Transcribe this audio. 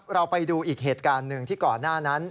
เราไปดูอีกเหตุการณ์หนึ่งที่ก่อนหน้านั้น